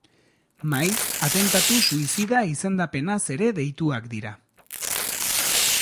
Maiz, atentatu suizida izendapenaz ere deituak dira.